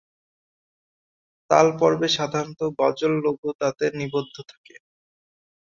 তাল পর্বে সাধারণত গজল লঘু তালে নিবদ্ধ থাকে।